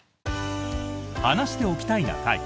「話しておきたいな会」。